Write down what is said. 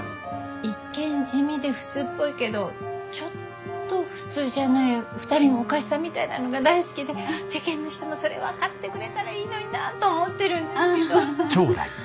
一見地味で普通っぽいけどちょっと普通じゃない２人のおかしさみたいなのが大好きで世間の人もそれ分かってくれたらいいのになと思ってるんですけど。